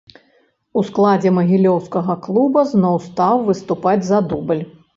У складзе магілёўскага клуба зноў стаў выступаць за дубль.